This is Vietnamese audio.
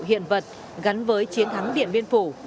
khiến bà không giấu nổi những xúc động